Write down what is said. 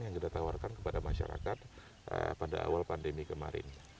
yang kita tawarkan kepada masyarakat pada awal pandemi kemarin